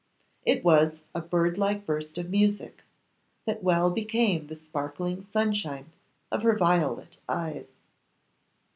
It was a birdlike burst of music, that well became the sparkling sunshine of her violet eyes.